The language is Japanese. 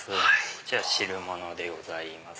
こちら汁物でございます。